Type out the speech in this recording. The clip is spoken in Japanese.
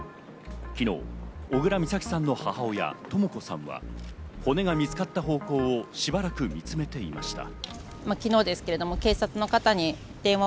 昨日、小倉美咲さんの母親・とも子さんが骨が見つかった方向をしばらく見つめていました。